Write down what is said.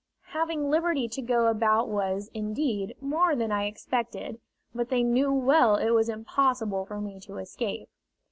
Having liberty to go about was, indeed, more than I expected; but they knew well it was impossible for me to escape.